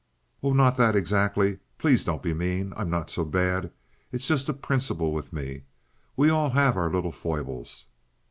"Oh, not that, exactly. Please don't be mean. I'm not so bad. It's just a principle with me. We all have our little foibles."